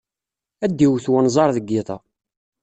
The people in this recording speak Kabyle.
Ad d-iwet wenẓar deg yiḍ-a.